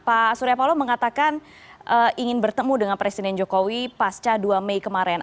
pak surya paloh mengatakan ingin bertemu dengan presiden jokowi pasca dua mei kemarin